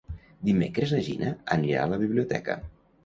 Dimecres na Gina anirà a la biblioteca.